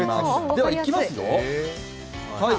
ではいきますよ。